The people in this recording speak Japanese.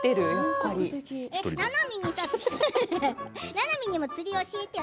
ななみにも釣りを教えてよ。